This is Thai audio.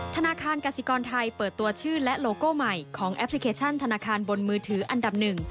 ธนาคารกสิกรไทยเปิดตัวชื่อและโลโก้ใหม่ของแอปพลิเคชันธนาคารบนมือถืออันดับหนึ่ง